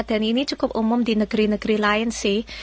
dan ini cukup umum di negeri negeri lain sih